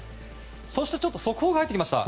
そして速報が入ってきました。